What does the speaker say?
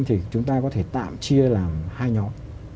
thì chúng ta có thể tạm chia làm hai nhóm